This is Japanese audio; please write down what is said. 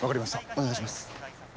お願いします。